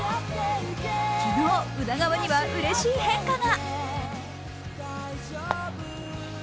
昨日、宇田川にはうれしい変化が。